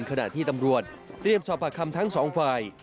ขณะที่ตำรวจเตรียมสอบปากคำทั้งสองฝ่าย